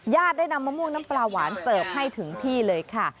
ได้นำมะม่วงน้ำปลาหวานเสิร์ฟให้ถึงที่เลยค่ะ